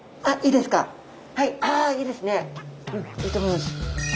うんいいと思います。